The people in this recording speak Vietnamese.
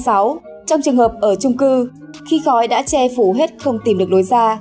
trong trường hợp ở chung cư khi khói đã che phủ hết không tìm được đối ra